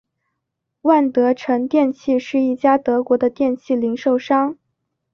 万得城电器是一家德国的电器零售商。